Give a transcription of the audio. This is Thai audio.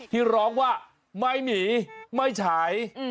ที่ร้องว่าไม่มีไม่ใช้